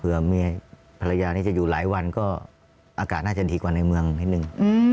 ภรรยานี้จะอยู่หลายวันก็อากาศน่าจะดีกว่าในเมืองนิดนึง